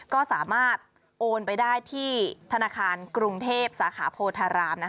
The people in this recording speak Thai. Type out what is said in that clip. ก็สามารถโอนไปได้ที่ธนาคารกรุงเทพสาขาโพธาราม